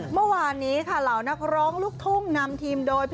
เมื่อวานนี้ค่ะเหล่านักร้องลูกทุ่งนำทีมโดย